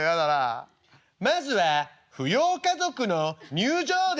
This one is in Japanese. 「まずは扶養家族の入場です」。